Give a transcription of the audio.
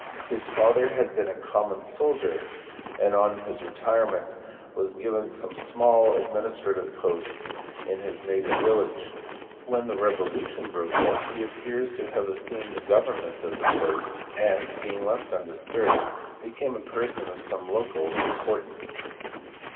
His father had been a common soldier, and on his retirement was given some small adminis trative post in his native village : when the revolution broke out he appears to have assumed the government of the place, and, being left undisturbed, became a person of some local importance.